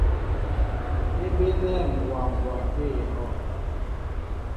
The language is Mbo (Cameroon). É bénɛ̂ mbwa mbwa tê ehɔ́’.